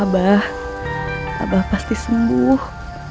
abah abah pasti sembuh